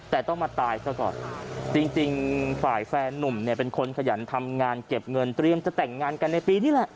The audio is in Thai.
แต่ต้องมาตายซะก่อนจริงฝ่ายแฟนนุ่มเนี่ยเป็นคนขยันทำงานเก็บเงินเตรียมจะแต่งงานกันในปีนี้แหละ